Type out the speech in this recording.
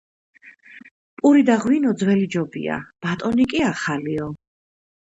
პური და ღვინო ძველი ჯობია, ბატონი კი - ახალიო